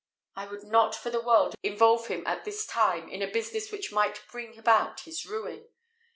I would not for the world involve him at this time in a business which might bring about his ruin.